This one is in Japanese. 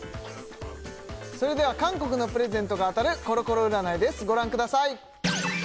それでは韓国のプレゼントが当たるコロコロ占いですご覧ください